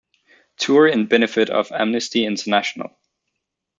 Tour in benefit of Amnesty International.